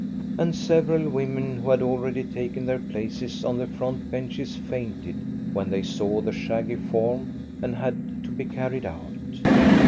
And several women who had already taken their places on the front benches fainted when they saw the shaggy form, and had to be carried out.